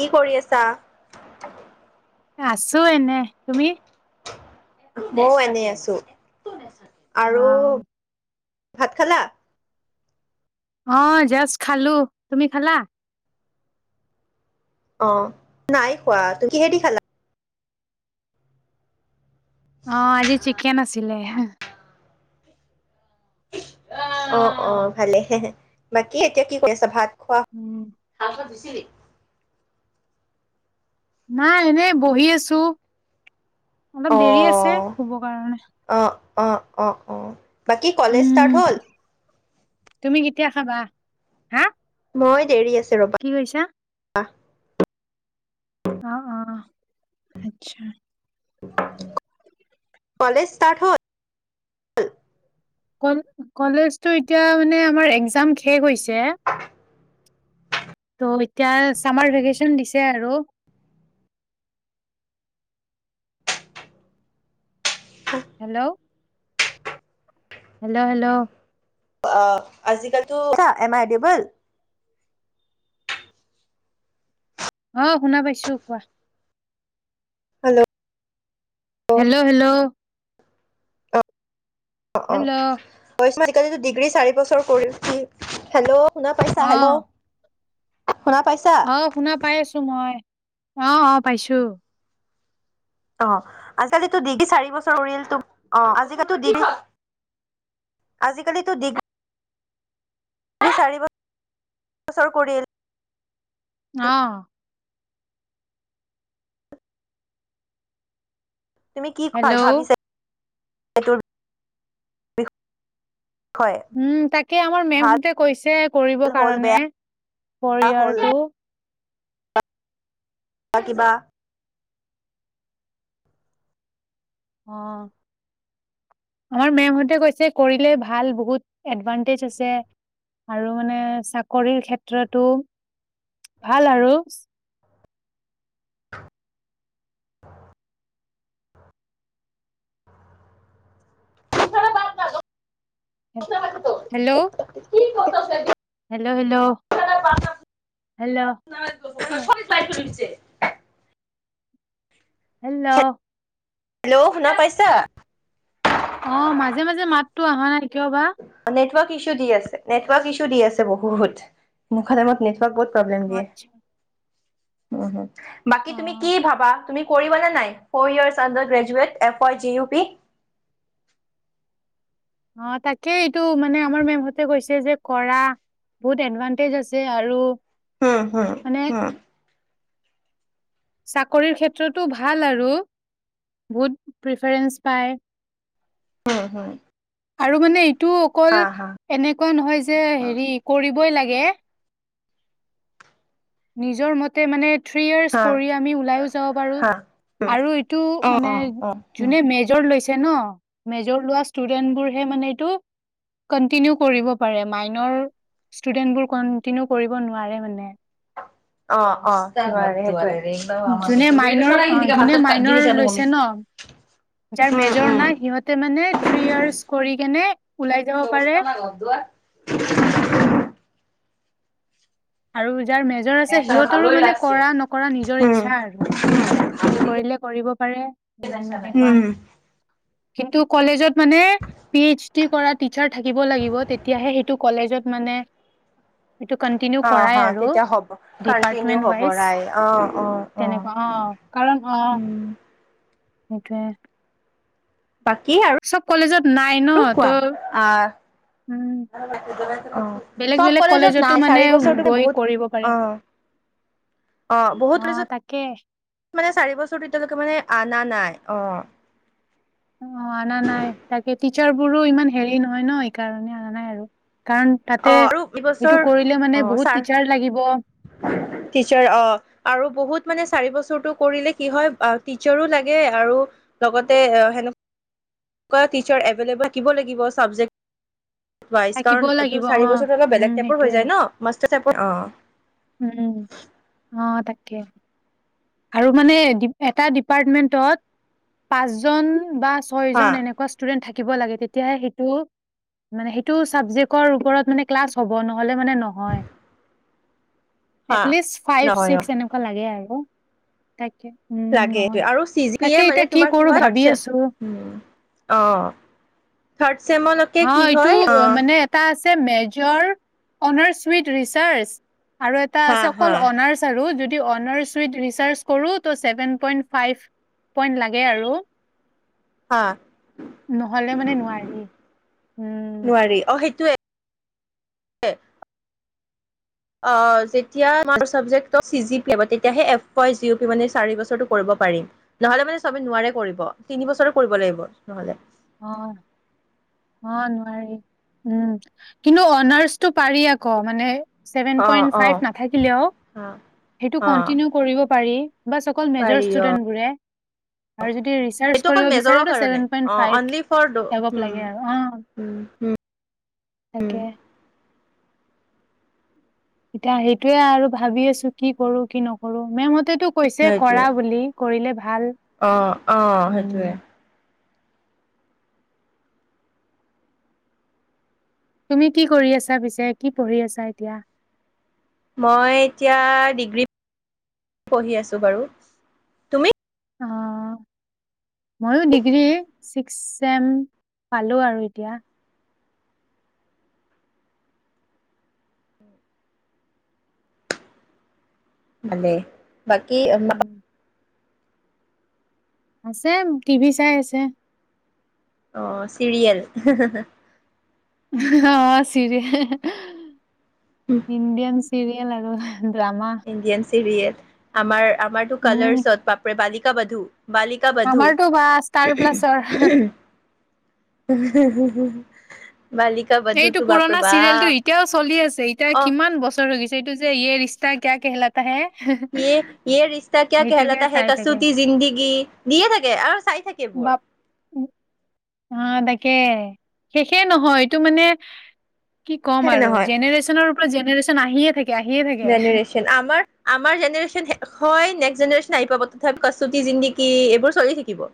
কি কৰি আছা? আছো এনে তুমি। মইও এনেই আছো। আৰু আহ। ভাত খালা? অ জাষ্ট খালো, তুমি খালা? অ নাই খোৱা, তুমি কিহে দি খালা? অঁ আজি চিকেন আছি লে‌। অ অ ভালে হে বাকী এতিয়া কি কৰি আছা ভাত খোৱা উম, নাই এনেই বহি আছোঁ। অলপ দেৰি আছে শুব কাৰণে অঁ অঁ অঁ বাকী কলেজ উম, ষ্টাৰ্ট হ'ল তুমি কেতিয়া খাবা হা মই দেৰি আছোঁ ৰবা কি কৈছা? আহ আহ আচ্ছা কলেজ ষ্টাৰ্ট হল কলেজটো এতিয়া মানে আমাৰ একজাম শেষ হৈছে ত' এতিয়া চামাৰ ভেকেশচন দিছে আৰু হেল্ল' হেল্ল' হেল্ল' আজিকালিতো এম আই ডবল অ শুনা পাইছো কোৱা হেল্ল' হেল্ল' হেল্ল' অ অ পইচা [unintelligible] আজিকালিো ডিগ্ৰী চাৰি বছৰ কৰিহি হেল্ল' শুনা পাইছা হেল্ল' শুনা পাইছা? আহ শুনা পাই আছো মই অ অ পাইছো অ আজিকালো ডিগ্ৰী চাৰি বছৰ কৰিলো অ আজিকালো ডিগ্ৰী আজিকালিতো ডিগ্ৰী চাৰিবছৰ কৰিল [unintelligible] আহ তুমি কি হেল্ল' ভাবিছা সেটোৰ বিষয়ে উম তাক আমাৰ ভাল মেমহতে কৈছে কৰিব হ'ল কাৰণে বেয়া হ'ল পৰিয়াৰটো বা কিবা অ আমাৰ মেমহতে কৈছে কৰিলে ভাল বহুত এডভানটেজ আছে আৰু মানে চাকৰিৰ ক্ষেত্ৰতো ভাল আৰু [inaudible] য [unintelligible] হেল্ল' ছে [unintelligible] hello hello hello াইছে [unintelligible] hello hello শুনা পাইছা অ মাজে মাজে মাতো অহা নাই। [unintelligible] কিয় বা। [unintelligible] ইছু দি আছে নেটৱৰ্ক ইছু দি আছে বহুত। [unintelligible] বহুত প্ৰব্লেম দিয়ে। আচ্ছা [unintelligible] উ হ [inaudible] বাকী তুমি অ', কি ভাবা। [unintelligible] তুমি কৰিবা নে নাই four years under graduate F াই G U P. [unintelligible] অ তাকে এইটো মানে আমাৰ মেমহতে কৈছে যে কৰা বহুত এডভানটেজ আছে আৰু। [unintelligible] হম হম মানে হম [inaudible] চাকৰিৰ ক্ষেত্ৰতো ভাল আৰু বহুত প্ৰিফাৰেঞ্চ পায়। [unintelligible] হয় হয় [inaudible] আৰু মানে। [unintelligible] তটো অকল এনেকুৱা নহয় যে হেৰি কৰিবই লাগে [unintelligible] াকে [inaudible] নিজৰ মতে মানে? [unintelligible] থ্ৰী য়েএছ হা কৰি আমি ওলাই যাব পাৰু হা উম আৰু অ মান অ অ হুম মেজ ল [unintelligible] ন মেজৰ লোৱা ষ্টুডেন্ট বোৰহে মানে এইটো কন্টিনিউ কৰিব পাৰে মাইনৰ ষ্টুডেন্ট বোৰ কন্টিনিউ কৰিব নোৱাৰে মানে। [unintelligible] অ অ সেই সেইটোে [unintelligible] যোনে মাইনৰ অ যোনে খা- মাইনৰ জিনিস আনো আমি লৈছে ন যাৰ উম মেজৰ উম নাই সিহঁতে মানে থ্ৰী ইয়াৰ্চ কৰি কেনে ওলাই যাব পাৰে। অৱস্থা না ঘর [inaudible] আৰু [unintelligible] যাৰ মেজৰ আছে নেশা সিহঁতৰো ভালোই মানে লাগছে কৰা নকৰা নিজৰ উম ইচ্ছা আৰু। [unintelligible] কৰিলে কৰিব পাৰে উম এনেকুৱা উম [unintelligible] কিন্তু কলেজত মানে পি এইচ ডি কৰা টিচাৰ থাকিব লাগিব তেতিয়াহে সেইটো কলেজত মানে [unintelligible] অ হ কৰাই আৰু তেতিয়া হ'ব কণ্টিনিউ ডিপাৰ্টমেন্ট হ'ব ৱাইজ ৰাই অ অ উ তেনেকুৱা [unintelligible] কাৰণ অ [unintelligible] একয়ে [unintelligible] [inaudible] বাকী আৰ নাই ন আৰু ত' কোৱা অ', উম অ', বেলেগ চব বেলেগ কলেজত কলেজতো নাই মানে চাৰি বছৰটো ম গৈ বহুত কৰিব পাৰে অ', অ', বহুত কলেজত মানে চাৰি বছৰটো, এতিয়ালৈকে মানে আনা নাই। [unintelligible] [inaudible] অ। [inaudible] অ', অনা নাই। তাকে টিচাৰ বোৰো ইমান হেৰি নহয় ন, সিকাৰণে অনা নাই আৰু। [unintelligible] তাতে অ', আৰু সেইটো ইবছৰ কৰিলে মানে অ', বহুত ছাৰ টিচাৰ লাগিব টিচাৰ অ', আৰু বহুত মানে চাৰিবছ [unintelligible] [inaudible] সেইটো কৰিলে কি হয়। অ', টিচাৰো লাগে আৰু লগতে এ সেনেকুৱা টিচাৰ এভেলেবল থাকিব লাগিব চাবজেক্ট- বা থাকিব ইচকাৰণ ইটো লাগিব চাৰি অ বছৰটো অলপ উম বেলেগ টাইপৰ হৈ সেইটোয়ে যায় ন। মাচ [unintelligible] [unintelligible] অ। [inaudible] উম, অ', তাকে। [unintelligible] আৰু মানে এটা ডিপাৰ্মেন্টত পাচজন বা [unintelligible] হা ছয়জন এনেকুৱা ষ্টুেণ্ট থাকে থাকিব লাগে তেতিয়াহে সেইটো মানে সেইটো চাবজেক্টৰ ওপৰত ক্লাছ হ'ব নহলে মানে নহয় হা এটলিষ্ট নহয় অ ফাইভ-ছিক্স এনেকুৱা লাগে আৰু। তাইক লাগে আৰু চি মানে তোমাৰ কি কৰো হয় ভাবি আছো অ থ অ এইটো অ মানে এটা আছে মেজৰ অনাৰছুইট ৰিচাৰ্চ আৰু এটা হা আছে হা অকল অনাৰ্চ আৰু যদ অৰ্নাচ উইড ৰিচাৰ্চ কৰো ত চেভেন পইণ্ট ফাইভ পইণ্ট লাগে আৰু হা নহলে মানে নোৱাৰি উম সেইটোৱে ৱে। অ', যেতিয়া তোমাৰ চাবজেক্টটো চি জি পি এ মা তেতিয়াহে এপ ওৱাই জিউ পি মানে চাৰি বছৰটো কৰিব পাৰিম। নহ'লে মানে চবে নোৱাৰে কৰিব। তিনি বছৰৰ কৰিব লাগিব, নহ'লে। অ', অ', নোৱাৰি। উম, কিন্তু অনাৰ্চটো পাৰি আকৌ মানে ছেভেন অঁ পইণ্ট ফাইভ অঁ নাথাকিলেও সেইটো অঁ কন্টিনিউ কৰিব পাৰি বাচ অকল মেজৰ পাৰি অঁ ষ্টুডেন্টবোৰে আৰু যদি ৰিচাৰ্জ এইটো অকল কৰিব মেজৰৰ বিচাৰে তো কাৰণে ছেভেন প‌ইন্ট অঁ অনলি ফৰ ড হম, উম, উ। তাকেহ। এতিয়া সেইটোয়ে আৰু ভাবি আছো। কি কৰো কি নকৰো মে মত টো কৈছে কৰা বুলি কৰিলে ভাল অ আহ উম সেইটোয়ে তুমি কি কৰি আছা পিছে কি পঢ়ি আছা এতিয়া মই এতিয়া ডিগ্ৰী পঢ়ি আছো বাৰু তুমি অ ময়ো ডিগ্ৰী ছিক্স চেম পালো আৰু এতিয়া হালে বাকি উম আছে টিভি চাই আছে আহ চিৰিয়েল অ', ছিৰিয়েল। ইণ্ডিয়ান চিৰি েল আৰু ন্দামা ইণ্ডিয়ান চিৰিয়েল আমাৰ আমাৰতো কালাৰ্ছত, বাপৰে বালিক টো বধু বালিকা-বাধু। আমাৰতো বা ষ্টাৰ প্লাছৰ হম। এইটো পুৰণা চিৰিয়েল টো এতিয়াও চলি আছে এতিয়া অ কিমান বছৰ হৈ গৈছে। সেইটো যে ইয়ে ৰিস্তা ক্যা কেহলাতা হ্যায়। ইয়ে ইয়ে ৰিষ্টা কিয়া কেহলাটা হে চাই থাকে কচুতি জিন্দগী দিয়ে থাকে আৰু চাই থাকে বোৰ। বাপ অ', তাকে। শেষে নহয় ইটো মানে কি ক'ম হে আৰু নহয় জেনেৰেশ্যনৰ অ, জেনেৰেশ্যন আহিয়ে থাইক জেনেৰেশ্যন আমাৰ আমাৰ জেনেৰেচন হয় নেক্স জেনেশ্যন আহি পাব তথাপি কচোতি জিন্দগী এইবোৰ চলি থাকিব।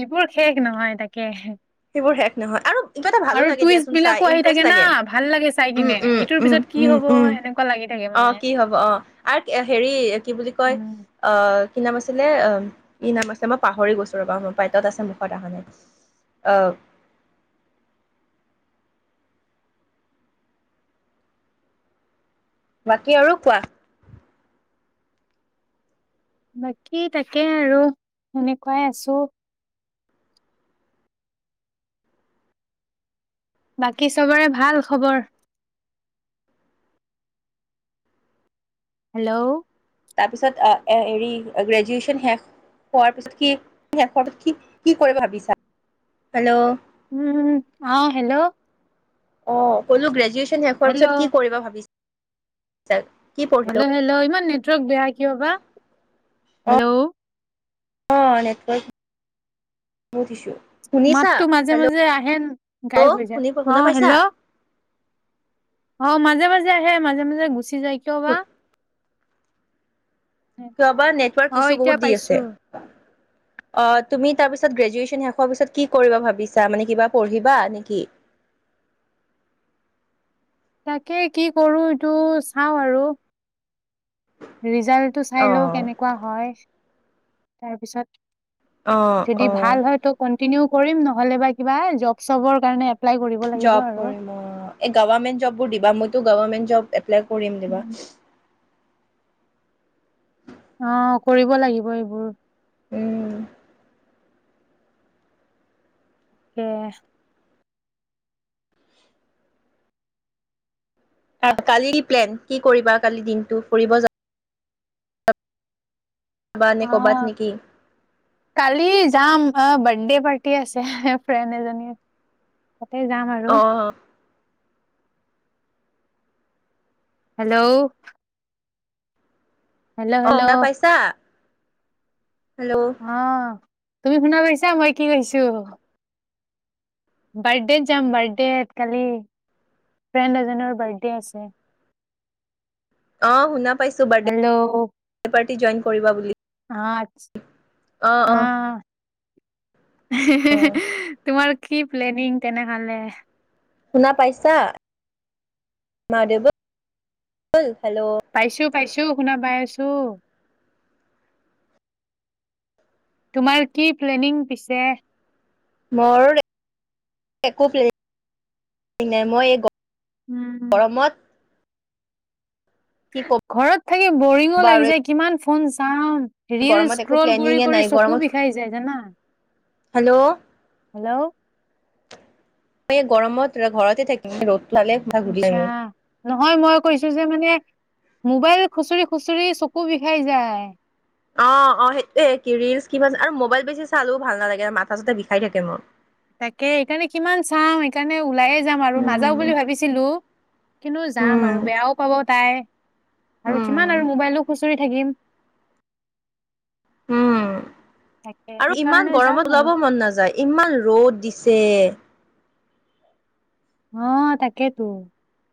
এইবোৰ শেষ নহয়, তাকেহ। সেইবোৰ শেষ নহয় আৰু কিবা এটা ভালো লাগে টুইষ্ট দিয়াচোন চাই বিলাকো আহি ইণ্টাৰেষ্ট থাকে না লাগে ভাল লাগে চাই উম কিনে উম এইটোৰ উম পিছত কি উম- হব উম এনেকুৱা লাগি থাকে মানে অ' কি হ'ব অ 'আৰু হেৰি কি বুলি কয় উম আহ। সি নাম আছিলে ই নাম আছিলে মই পাহৰি গৈছোঁ ৰ'বা মোৰ পাইটত আছে মুখত আহখনে অ ' বাকী আৰু কোৱা। বাকী তাকে আৰু এনেকুৱাই আছো। বাকী চবৰে ভাল খবৰ। হেল্ল। তাৰপিছত অ, এ হেৰি গ্ৰেজুৱেচন শেষ হোৱাৰ পিছত কি শেষ হোৱাৰ পিছত কি, কি কৰিব ভাবিছা। হেল্ল' উম অ 'হেল্ল' অ', পলু গ্ৰেজুৱেচ শেষ হোৱাৰ হেল্ল' পিছত কি কৰিব ভাবিছা। চ, হেল্ল'‌, হেল্ল। ইমান নেটৱৰ্ক বেয়া কিয় বা [inaudible] অ', হেল্লো [inaudible] অ 'নেতৰ্ক [inaudible] মাততটো মাজে -মাজে আহে গাই শুনি শুনা অ' পাইছা? হেল্ল' অ' মাজে -মাজে আহে মাজে -মাজে গুচি যায় কিয় বা কিয়বা নেটৱৰ্ক অ ইছ্যু এতিয়া বহুত দি পাইছো আছে। অ' তুমি তাৰ পিছ গ্ৰেজুৱেচন শেষ হোৱাৰ পিছত কি কৰিবা ভাবিছা মানে কিবা পঢ়িবা নেকি? তাকে কি কৰো এইটো চাওঁ আৰু ৰিজ ৰিজাল্টো চাই লও অ', কেনেকুৱা হয় [inaudible] তাৰপিছত অ', যদি অ', ভাল হয়তো ক নহলে বা কিবা জব চবৰ কাৰণে এপ্লাই কৰিব লাগিব জব আৰু কৰিম এই গবানেট জবোৰ দিবা মতো গভমেট জব এ এপ্লাই কৰিম দিবা [inaudible] উম, অ কৰিব লাগিব এইবোৰ উম [inaudible] কে [inaudible] কালি প্লেন কি কৰিবা কালি দিনটো ফুৰিব যা যাবা নে অ ক'বাত নেকি? কালি যাম অ বাৰ্থডে পাৰ্টি আছে ফ্ৰেড এজনী [inaudible] তাতে যাম আৰু [inaudible] অ', হেল্ল' হেল্ল' অ বা পাইছা হেল্ল' অহ [inaudible] তুমি শুনা লৈছা মই কি কছো বাৰ্থডত যাম বাৰ্থডেত কালি ফ্ৰেণ্ড এজনৰ বাৰ্থডে আছে [inaudible] অ শুনা বাৰ্থ হেল্ল' অ', পাৰ্ট জইন কৰিবা বুলি অ', অ', আহ হে হে হে তোমাৰ কি প্লেনিং তেনেহলে শুনা পাইছা মা দেব পাইছো পাইছো শুনা বাই তোমাৰ কি প্লেনিং পিছে মোৰ একো্ পেলেন নাই মই উম উম গৰমত কি ঘৰত থাকি বৰিঙো ক'বা লাগি আৰু যায় কিমান ফোন চাওঁ ৰীল গৰমত একো স্ক্ৰল কৰি প্লেনিঙে কৰি নাই চকু গৰমত বিষাই যায় জানা হেল্লো মই গৰমত ঘৰতে থাকিম ৰ' আচ্ছা নহয় মই কৈছো যে মানে মোবাইল খুচৰি খুচৰি চকু বিষাই যায় অ অ সেইটয়ে কি ৰিলচ কিমান আৰু মোবাইল বেছি চালো ভাল নালাগে মাথা চাথা বিষাই থাকে মোৰ। তাকে এইকাৰণে কিমান চওঁ সকাৰণে ওলাএ যাম আৰু নাযাও উম বুলি ভাবিছিলো কিন্তু যাম উম আৰু বেয়াও পাব তাই আৰু কিমান উম আৰু মোবাইলো খুচৰি থাকিম উম তাকে আৰু ইমান সেইকাৰণে যাম গৰমত আৰু ওলাব মন নাযায় ইমান ৰ'দ দিছে অ তাকে তো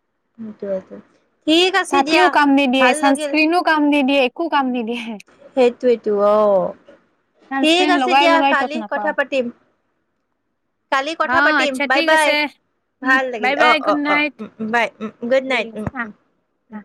সেইটোৱেইটো ছাতিও কাম নিদিয়ে চাণচক্ৰীমেও কাম নিদিয়ে একো কাম নিদিয়ে সেইটোৱেটো অ ঠিক ছানস্ক্ৰীন আছে লগাই দিয়া লগাই তত কালি কথা নাপাওঁ পাতিম কালি অ কথা পাতিম আচ্ছা বাই ঠিক বাই আছে ভাল লাগিল বাই অ বাই অ গুড অ নাইট উ বাই উ গুড ঠিক নাইট উ আছে উ আহ আহ উ।